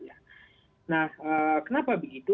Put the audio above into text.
nah kenapa begitu